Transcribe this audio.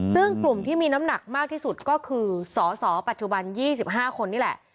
ซึ่งกลุ่มที่มีน้ำหนักมากที่สุดก็คือสสปัจจุบัน๒๕คนนี่แหละ